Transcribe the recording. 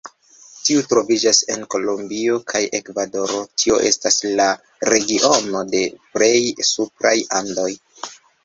Tiu troviĝas en Kolombio kaj Ekvadoro, tio estas la regiono de plej supraj Andoj.